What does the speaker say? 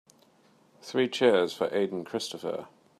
Three cheers for Aden Christopher.